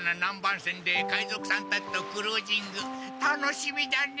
船で海賊さんたちのクルージング楽しみだね。